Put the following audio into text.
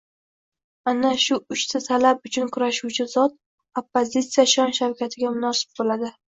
Ana shu uchta talab uchun kurashuvchi zot... oppozitsiya shon-shavkatiga munosib bo‘ladi...